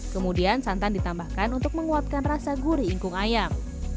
kemudian santan ditambahkan untuk menguatkan rasa guri ingkung ayam